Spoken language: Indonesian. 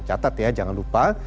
catat ya jangan lupa